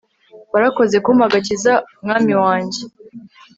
warakoze kumpa agakiza mwami wanjye